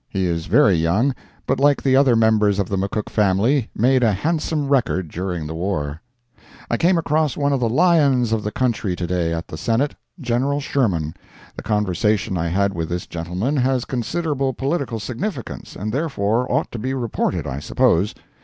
He is very young, but like the other members of the McCook family, made a handsome record during the war. I came across one of the lions of the country to day at the Senate—General Sherman. The conversation I had with this gentleman has considerable political significance, and therefore ought to be reported, I suppose.